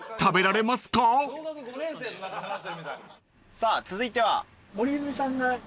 さあ続いては？